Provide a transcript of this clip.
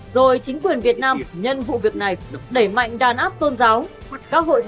rồi chính quyền việt nam nhân vụ việc này để mạnh đàn áp tôn giáo